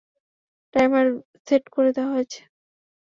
Timer set করে দেওয়া হয়েছে।